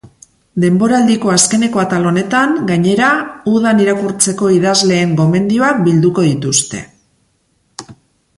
Denboraldiko azkeneko atal honetan, gainera, udan irakurtzeko idazleen gomendioak bilduko dituzte.